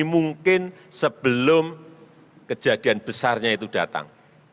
mungkin sebelum kejadian besarnya itu datang